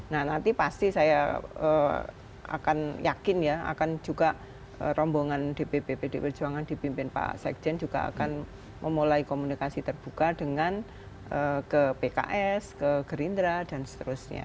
nah nanti pasti saya akan yakin ya akan juga rombongan dpp pdi perjuangan dipimpin pak sekjen juga akan memulai komunikasi terbuka dengan ke pks ke gerindra dan seterusnya